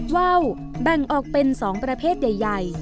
ว่าวแบ่งออกเป็น๒ประเภทใหญ่